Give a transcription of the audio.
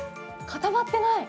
固まってない！